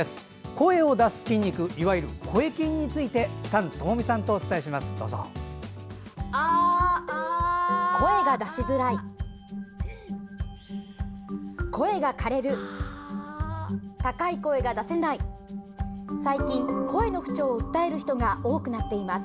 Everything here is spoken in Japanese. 声を出す筋肉いわゆる声筋について丹友美さんとお伝えします。